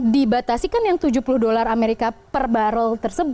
tujuh puluh dolar amerika per barul